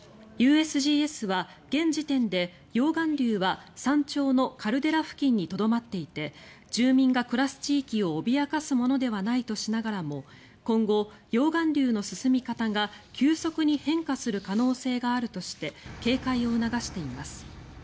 ＵＳＧＳは現時点で溶岩流は山頂のカルデラ付近にとどまっていて住民が暮らす地域を脅かすものではないとしながらも今後、溶岩流の進み方が急速に変化する可能性があるとして警戒を促しています。